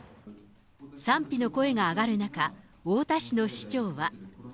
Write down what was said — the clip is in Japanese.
賛否の声が上がる中、太田市の市長は。